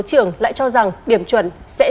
trường lại cho rằng điểm chuẩn sẽ